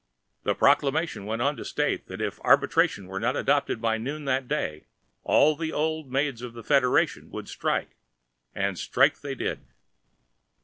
The proclamation went on to state that if arbitration were not adopted by noon that day all the old maids of the federation would strike—and strike they did.